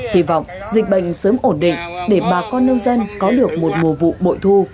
hy vọng dịch bệnh sớm ổn định để bà con nông dân có được một mùa vụ bội thu